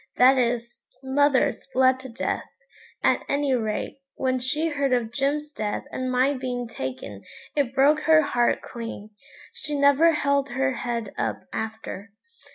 that is, mother's bled to death, at any rate; when she heard of Jim's death and my being taken it broke her heart clean; she never held her head up after.